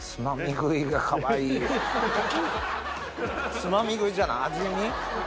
つまみ食いじゃない味見？